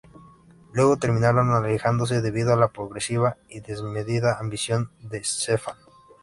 Luego, terminaron alejándose debido a la progresiva y desmedida ambición de Stefan.